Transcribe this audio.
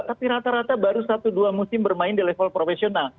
tapi rata rata baru satu dua musim bermain di level profesional